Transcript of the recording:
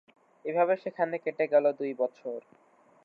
এভাবে সেখানে কেটে গেলো দুই বছর।